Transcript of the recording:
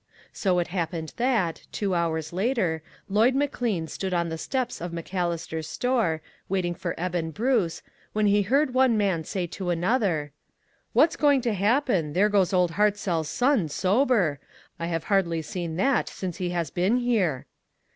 So it happened that, two hours later, Lloyd McLean stood on the steps of McAllister's store, waiting for Eben Bruce, when he heard one man say to another :" What's going to happen ? There goes old Hartzell's son, sober. I have hardly seen that since he has been here."